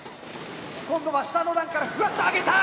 今度は下の段からふわっと上げた！